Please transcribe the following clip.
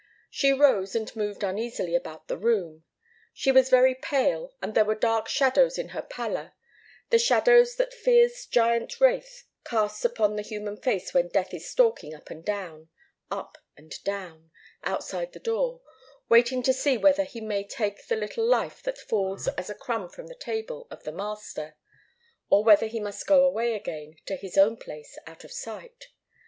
She rose, and moved uneasily about the room. She was very pale, and there were dark shadows in her pallor, the shadows that fear's giant wraith casts upon the human face when death is stalking up and down, up and down, outside the door, waiting to see whether he may take the little life that falls as a crumb from the table of the master, or whether he must go away again to his own place, out of sight.